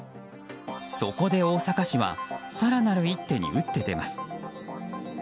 そこで大阪市は更なる一手に打って出ます。